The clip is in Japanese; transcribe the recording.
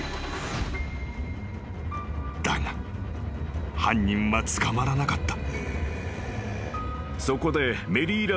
［だが犯人は捕まらなかった］